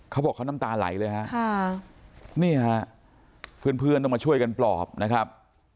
เขาบอกเขาน้ำตาไหลเลยฮะนี่ฮะเพื่อนเพื่อนต้องมาช่วยกันปลอบนะครับ